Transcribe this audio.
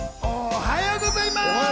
おはようございます。